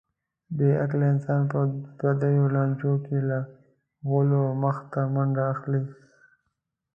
بې عقل انسان به په پردیو لانجو کې له غولو مخته منډه اخلي.